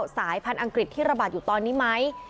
สายพันธุ์อังกฤษที่ระบาดอยู่ตอนนี้ไหม